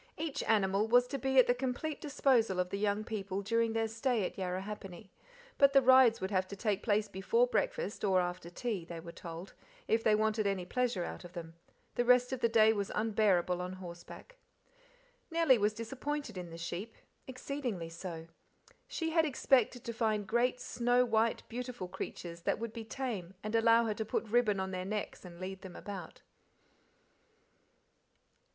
Each animal was to be at the complete disposal of the young people during their stay at Yarrahappini, but the rides would have to take place before breakfast or after tea, they were told, if they wanted any pleasure out of them; the rest of the day was unbearable on horseback. Nellie was disappointed in the sheep, exceedingly so. She had expected to find great snow white beautiful creatures that would be tame and allow her to put ribbon on their necks and lead them about.